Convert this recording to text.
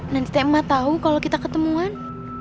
nanti teh emak tau kalau kita ketemuan